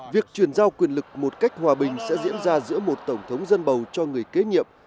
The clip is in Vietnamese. việc chuyển giao quyền lực một cách hòa bình sẽ diễn ra giữa một tổng thống dân bầu cho người kế nhiệm